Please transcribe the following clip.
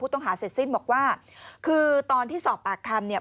ต้องหาเสร็จสิ้นบอกว่าคือตอนที่สอบปากคำเนี่ย